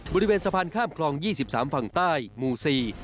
บริเวณสะพานข้ามคลอง๒๓ฝั่งใต้หมู่๔